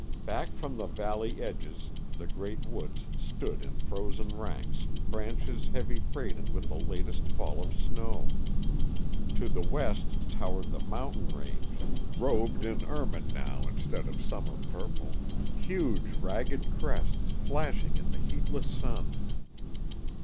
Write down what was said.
Back from the valley edges the great woods stood in frozen ranks, branches heavy freighted with the latest fall of snow. To the west towered the mountain range, robed in ermine now instead of summer purple; huge, ragged crests, flashing in the heatless sun.